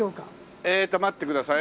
えーっと待ってください。